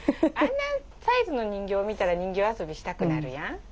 あんなサイズの人形見たら人形遊びしたくなるやん。